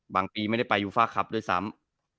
ปีไม่ได้ไปยูฟ่าคลับด้วยซ้ำ